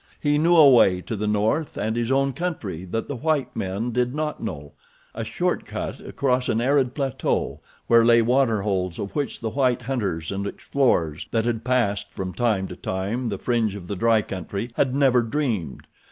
He knew a way to the north and his own country that the white men did not know—a short cut across an arid plateau where lay water holes of which the white hunters and explorers that had passed from time to time the fringe of the dry country had never dreamed.